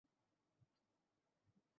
যাতে আমি ফিজিতে ভ্রমণে যেতে পারি, বুঝলে?